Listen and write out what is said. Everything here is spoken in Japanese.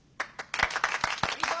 いいぞ！